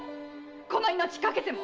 この命かけても！